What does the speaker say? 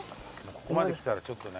ここまで来たらちょっとね。